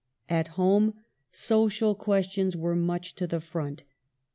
^ At home, social questions were much to the front.